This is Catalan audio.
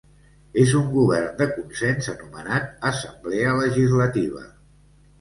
És un govern de consens anomenat Assemblea Legislativa.